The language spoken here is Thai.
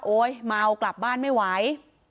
เมากลับบ้านไม่ไหว